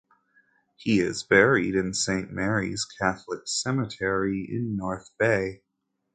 He is buried in Saint Mary's Catholic Cemetery in North Bay.